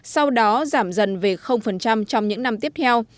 sau đó giảm dần về trong những năm tiếp theo